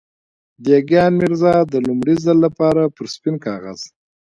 دېګان ميرزا د لومړي ځل لپاره پر سپين کاغذ.